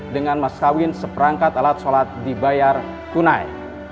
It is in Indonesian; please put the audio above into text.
dengan mas kawin seperangkat alat sholat dibayar tunai